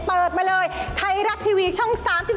เปิดมาเลยไทยรัฐทีวีช่อง๓๒